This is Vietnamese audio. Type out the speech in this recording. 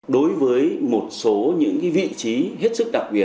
đối với các đại biểu quốc hội